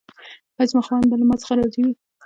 ایا زما خاوند به له ما څخه راضي وي؟